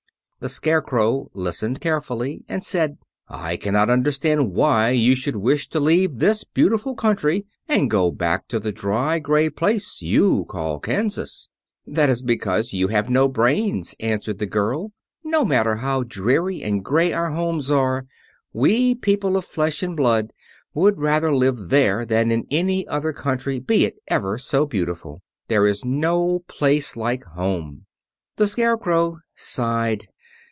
The Scarecrow listened carefully, and said, "I cannot understand why you should wish to leave this beautiful country and go back to the dry, gray place you call Kansas." "That is because you have no brains" answered the girl. "No matter how dreary and gray our homes are, we people of flesh and blood would rather live there than in any other country, be it ever so beautiful. There is no place like home." The Scarecrow sighed.